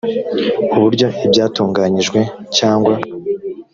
uburyo ibyatunganyijwe cyangwa